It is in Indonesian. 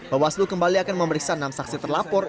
bawaslu kembali akan memeriksa enam saksi terlapor